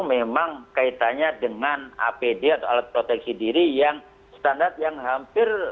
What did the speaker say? memang kaitannya dengan apd atau alat proteksi diri yang standar yang hampir